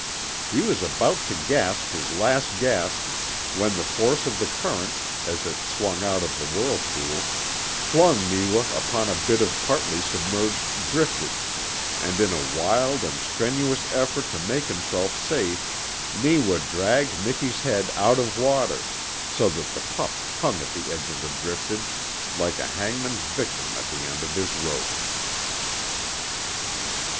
He was about to gasp his last gasp when the force of the current, as it swung out of the whirlpool, flung Neewa upon a bit of partly submerged driftage, and in a wild and strenuous effort to make himself safe Neewa dragged Miki's head out of water so that the pup hung at the edge of the driftage like a hangman's victim at the end of his rope.